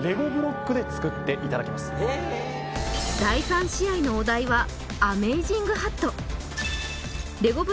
第３試合のお題は「アメイジングハット」